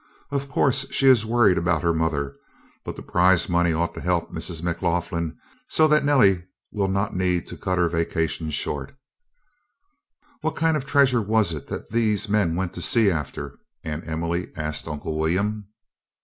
Of course she is worried about her mother, but the prize money ought to help Mrs. McLaughlin so that Nellie would not need to cut her vacation short." "What kind of treasure was it that these men went to sea after?" Aunt Emily asked Uncle William.